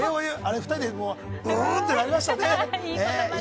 ２人でうーんとなりましたね。